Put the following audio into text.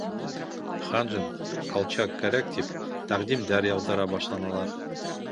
Ханжин, Колчак кәрәк, тип тәҡдимдәр яуҙыра башланылар.